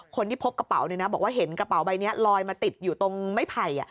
คนที่พบกระเป๋าเนี่ยนะบอกว่าเห็นกระเป๋าใบนี้ลอยมาติดอยู่ตรงไม้ไผ่